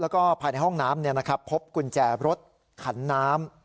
แล้วก็ภายในห้องน้ำพบกุญแจรถขันน้ำ